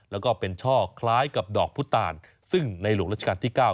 แล้วก็เป็นช่อคล้ายกับดอกพุตาลซึ่งในหลวงราชการที่๙